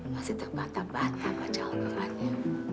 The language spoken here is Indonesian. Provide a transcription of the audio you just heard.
masih terbata bata baca al qurannya